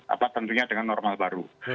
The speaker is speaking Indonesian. apa tentunya dengan normal baru